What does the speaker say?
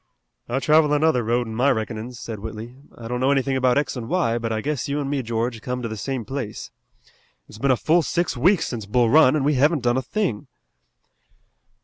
"I travel another road in my reckonin's," said Whitley, "I don't know anything about x and y, but I guess you an' me, George, come to the same place. It's been a full six weeks since Bull Run, an' we haven't done a thing."